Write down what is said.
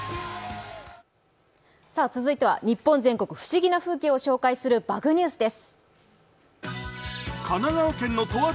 続いては日本全国不思議な風景を紹介する「バグニュース」です。